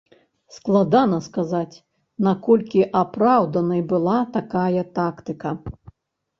Складана сказаць, наколькі апраўданай была такая тактыка.